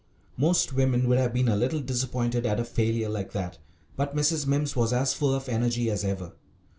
Most women would have been a little disappointed at a failure like that, but Mrs. Mimms was as full of energy as ever.